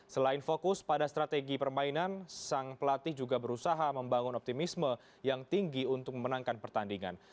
selain fokus pada strategi permainan sang pelatih juga berusaha membangun optimisme yang tinggi untuk memenangkan pertandingan